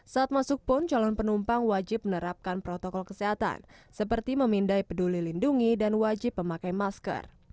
saat masuk pun calon penumpang wajib menerapkan protokol kesehatan seperti memindai peduli lindungi dan wajib memakai masker